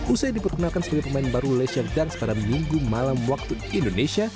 usai diperkenalkan sebagai pemain baru lession dance pada minggu malam waktu indonesia